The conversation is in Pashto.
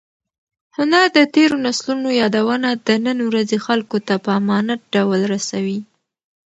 هنر د تېرو نسلونو یادونه د نن ورځې خلکو ته په امانت ډول رسوي.